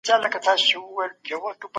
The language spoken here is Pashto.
ځینې هیوادونه د خپلو منابعو څخه ښه ګټه اخلي.